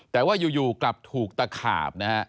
แต่ว่ายู๋กลับถูกตะขาบ